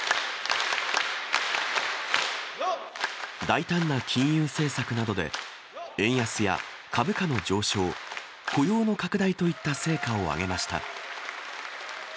大胆な金融政策などで、円安や株価の上昇、雇用の拡大といった成果を上げました。